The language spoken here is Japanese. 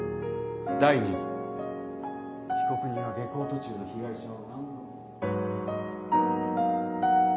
第２に被告人は下校途中の被害者を。